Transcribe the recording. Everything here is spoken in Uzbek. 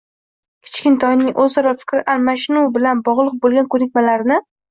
Kichkintoyning o‘zaro fikr almashinuv bilan bog‘liq bo‘lgan ko‘nikmalarini